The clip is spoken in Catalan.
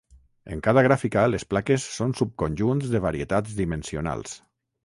En cada gràfica, les plaques són subconjunts de varietats dimensionals.